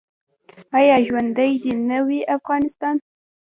آیا ژوندی دې نه وي افغانستان؟